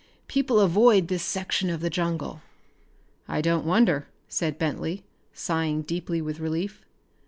People avoid this section of the jungle." "I don't wonder," said Bentley, sighing deeply with relief.